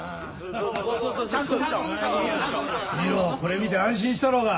これ見て安心したろうが。